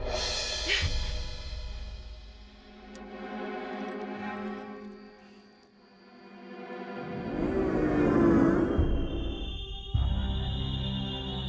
oke aku kece oing